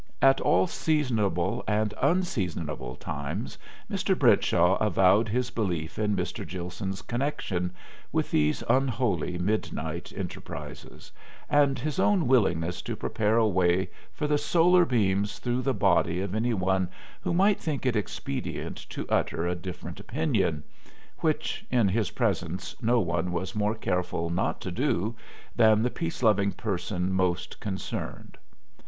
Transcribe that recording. At all seasonable and unseasonable times Mr. Brentshaw avowed his belief in Mr. Gilson's connection with these unholy midnight enterprises, and his own willingness to prepare a way for the solar beams through the body of any one who might think it expedient to utter a different opinion which, in his presence, no one was more careful not to do than the peace loving person most concerned.